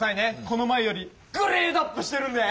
この前よりグレードアップしてるんで！